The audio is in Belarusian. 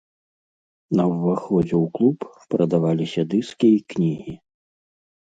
На ўваходзе ў клуб прадаваліся дыскі і кнігі.